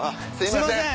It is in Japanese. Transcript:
すいません